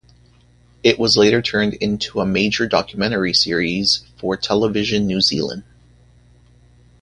It was later turned into a major documentary series for Television New Zealand.